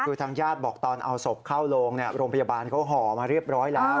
คือทางญาติบอกตอนเอาศพเข้าโรงโรงพยาบาลเขาห่อมาเรียบร้อยแล้ว